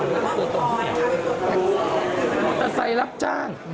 มอเตอร์ไซรับจ้าง